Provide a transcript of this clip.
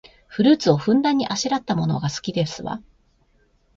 フルーツをふんだんにあしらったものが好きですわ